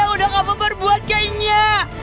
udah kamu berbuat kayaknya